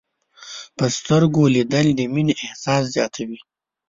په سترګو لیدل د مینې احساس زیاتوي